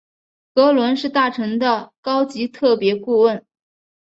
格伦是大臣的高级特别顾问。